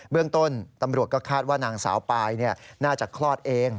เรื่องต้นตำรวจก็คาดว่านางสาวปายน่าจะคลอดเอง